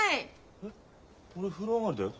えっ俺風呂上がりだよ。